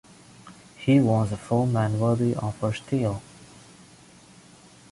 He was a foeman worthy of her steel.